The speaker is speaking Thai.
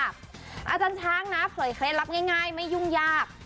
อาจารย์ช้างนะเผยเคล็ดลับง่ายไม่ยุ่งยาก